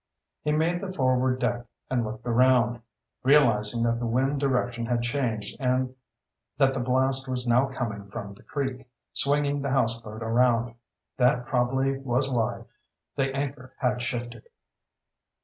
He made the forward deck and looked around, realizing that the wind direction had changed and that the blast was now coming down the creek, swinging the houseboat around. That probably was why the anchor had shifted.